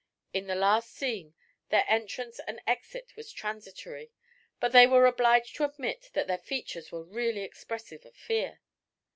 In the last scene their entrance and exit was transitory, but they were obliged to admit that their features were really expressive of fear.